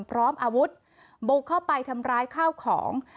พร้อมอาวุธบุกเข้าไปทำร้ายข้าวของ